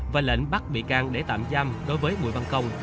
và lệnh bắt bị can để tạm giam đối với bùi văn công